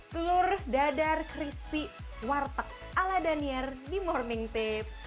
telur dadar crispy warteg ala danier di morning tips